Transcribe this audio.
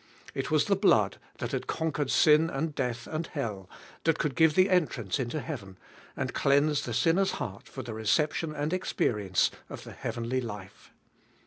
It was the blood that had conquered sin and death and hell, that could give the entrance into heaven, and cleanse the sinner's heart for the reception and experience of the heavenly life.